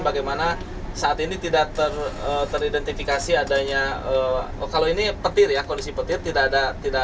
bagaimana saat ini tidak teridentifikasi adanya kalau ini petir ya kondisi petir tidak ada tidak